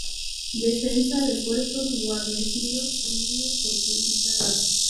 Defensa de puestos guarnecidos en líneas fortificadas.